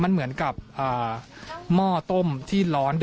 หม้อต้มที่ร้อน